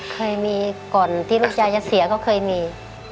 เคยมีก่อนที่ลูกชายจะเสียก็เคยมี